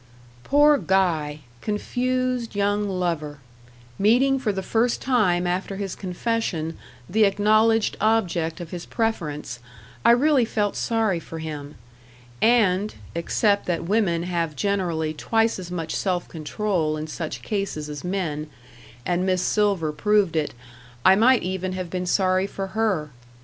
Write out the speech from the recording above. Poor Guy! confused young lover! meeting for the first time after his confession the acknowledged object of his preference I really felt sorry for him! And, except that women have generally twice as much self control in such cases as men and Miss Silver proved it I might even have been sorry for her.